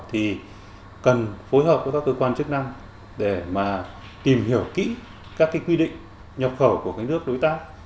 thì cần phối hợp với các cơ quan chức năng để mà tìm hiểu kỹ các quy định nhập khẩu của các nước đối tác